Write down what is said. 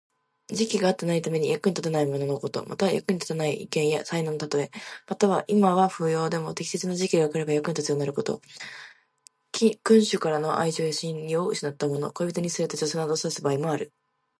時期が合っていないために、役に立たないもののこと。または、役に立たない意見や才能のたとえ。または、今は不要でも適切な時期が来れば役に立つようになること。君主からの愛情や信用を失ったもの、恋人に捨てられた女性などを指す場合もある。